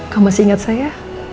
kau masih ingat saya